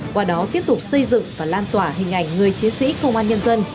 qua đó tiếp tục xây dựng và lan tỏa hình ảnh người chiến sĩ công an nhân dân